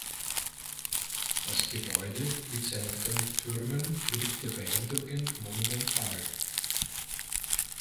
Das Gebäude mit seinen fünf Türmen wirkte beeindruckend monumental.